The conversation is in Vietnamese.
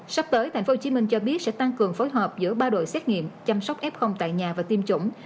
sắp tới tp hcm cho biết sẽ tăng cường phối hợp giữa ba đội xét nghiệm chăm sóc f tại nhà và tiêm chủng